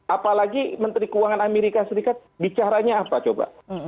apalagi menteri keuangan amerika serikat bicaranya apa coba